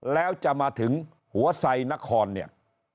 แล้วจะมาถึงหัวไสนครเนี่ย